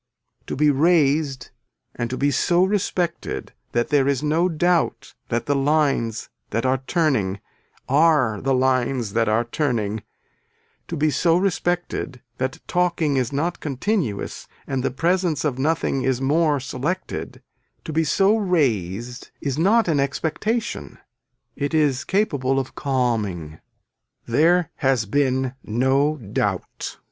To be raised and to be so respected that there is no doubt that the lines that are turning are the lines that are turning, to be so respected that talking is not continuous and the presence of nothing is more selected, to be so raised is not an expectation, it is capable of calming. There has been no doubt.